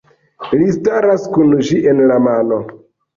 Li staras kun ĝi en la mano.